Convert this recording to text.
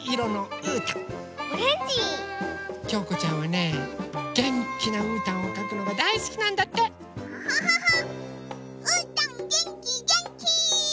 うーたんげんきげんき！